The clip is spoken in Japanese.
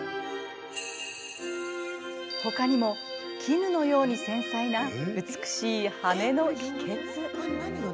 ほかにも、絹のように繊細な美しい羽根の秘けつ。